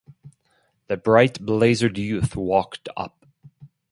The bright-blazered youth walked up.